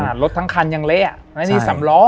สกรานรถทั้งคันยังเละอะอันนี้สำล้อ